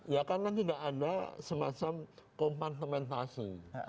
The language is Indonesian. ya karena tidak ada semacam kompartementasi